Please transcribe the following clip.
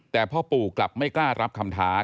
แต่พ่อปู่กลับไม่กล้ารับคำท้า